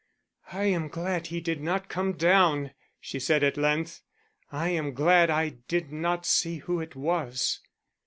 "I am glad he did not come down," she said at length. "I am glad I did not see who it was."